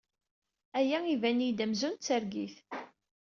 Aya iban-iyi-d amzun d targit.